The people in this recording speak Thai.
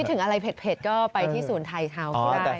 คิดถึงอะไรเผ็ดก็ไปที่ศูนย์ไทยทาวน์ก็ได้นะครับ